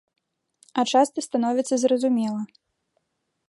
А часта становіцца зразумела.